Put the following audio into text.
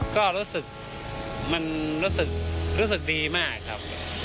ก็รู้สึกมันรู้สึกดีมากครับ